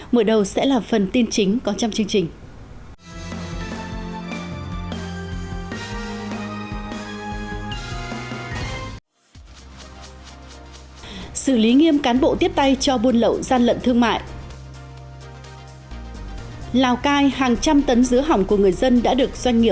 mở đầu sẽ là phần tin chính có trong chương trình